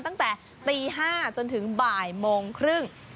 ตั้งแต่ตี๕จนถึงบ่ายโมงครึ่ง